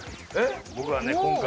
僕はね今回。